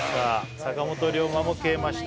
坂本龍馬も消えました